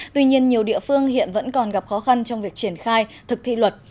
tuy nhiên nhiều địa phương hiện vẫn còn gặp khó khăn trong việc triển khai thực thi luật